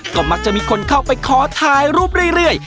ก็มักจะมีคนเข้าไปขอถ่ายรูปเรื่อย